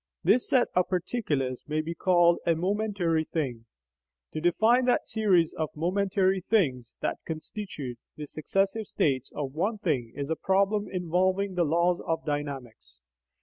This set of particulars may be called a "momentary thing." To define that series of "momentary things" that constitute the successive states of one thing is a problem involving the laws of dynamics.